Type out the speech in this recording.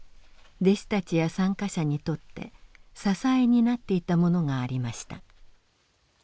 弟子たちや参加者にとって支えになっていたものがありました。